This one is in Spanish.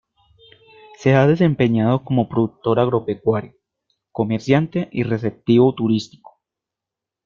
Se ha desempeñado como productor agropecuario, comerciante y receptivo turístico.